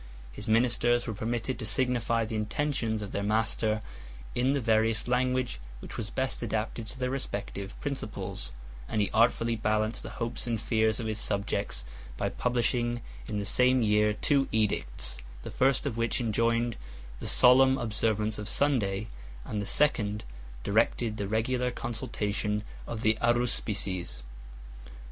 His ministers were permitted to signify the intentions of their master in the various language which was best adapted to their respective principles; 7 and he artfully balanced the hopes and fears of his subjects, by publishing in the same year two edicts; the first of which enjoined the solemn observance of Sunday, 8 and the second directed the regular consultation of the Aruspices.